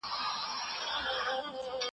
د نسب ثبوت چا ته ثابتيږي؟